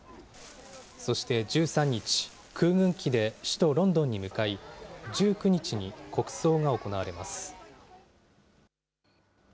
そして１３日、空軍機で首都ロンドンに向かい、１９日に国葬が行われます。